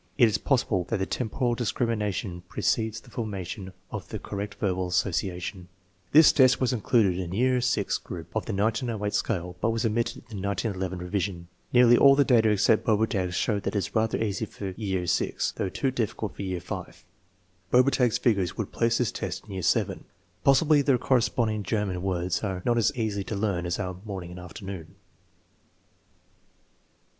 It is possible that lie temporal discrimination precedes the 'formation of the correct verbal association. This test was included in the year VI group of the 1908 scale, but was omitted from the 1911 revision. Nearly all 188 THE MEASUREMENT OF INTELLIGENCE the data except Bobertag's show that it is rather easy for year VI, though too difficult for year V. Bobertag's figures would place the test in year VII. Possibly the cor responding German words are not as easy to learn as our morning and afternoon.